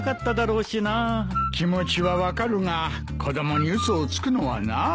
気持ちは分かるが子供に嘘をつくのはなぁ。